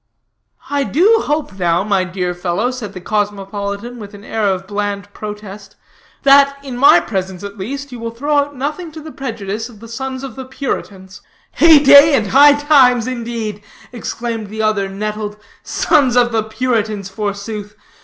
"I do hope now, my dear fellow," said the cosmopolitan with an air of bland protest, "that, in my presence at least, you will throw out nothing to the prejudice of the sons of the Puritans." "Hey day and high times indeed," exclaimed the other, nettled, "sons of the Puritans forsooth!